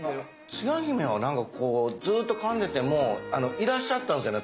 つや姫はなんかこうずっとかんでてもあのいらっしゃったんすよね